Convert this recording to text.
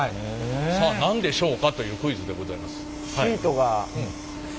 さあ何でしょうかというクイズでございます。